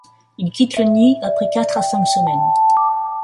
Ils quittent le nid après quatre à cinq semaines.